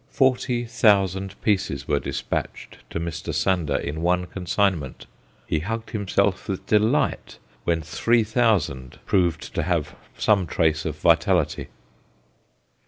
Forty thousand pieces were despatched to Mr. Sander in one consignment he hugged himself with delight when three thousand proved to have some trace of vitality.